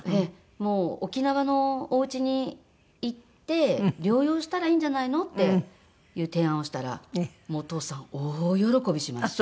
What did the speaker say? もう沖縄のおうちに行って療養したらいいんじゃないの？っていう提案をしたらお父さん大喜びしまして。